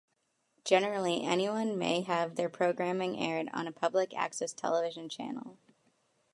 Generally, anyone may have their programming aired on a public-access television channel.